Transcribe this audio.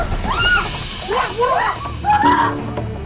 masuk orang masuk orang